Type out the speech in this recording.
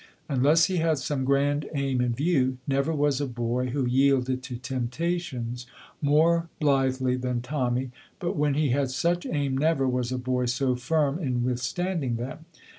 Unless he had some grand aim in view never was a boy who yielded to temptations more blithely than Tommy, but when he had such aim never was a boy so firm in withstanding them.